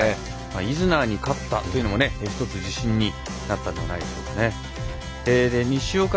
イズナーに勝ったというのも１つ自信になったんじゃないでしょうか。